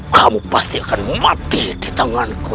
kamu pasti akan mati di tempat ini